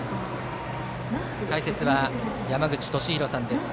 解説は山口敏弘さんです。